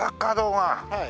はい。